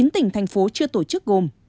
chín tỉnh thành phố chưa tổ chức gồm